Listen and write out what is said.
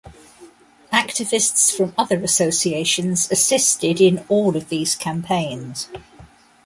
Activists from other associations assisted in all of these campaigns.